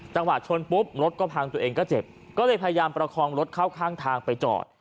จังหวะชนปุ๊บรถก็พังตัวเองก็เจ็บก็เลยพยายามประคองรถเข้าข้างทางไปจอด